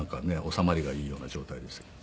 収まりがいいような状態ですけど。